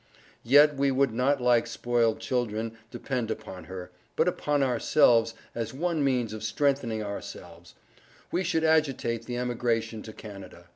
Yet we would not like spoiled childeren depend upon her, but upon ourselves and as one means of strengthening ourselves, we should agitate the emigration to Canada.